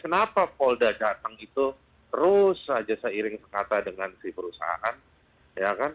kenapa polda datang itu terus aja seiring sekata dengan si perusahaan